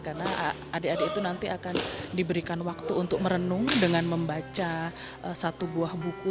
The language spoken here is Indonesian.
karena adik adik itu nanti akan diberikan waktu untuk merenung dengan membaca satu buah buku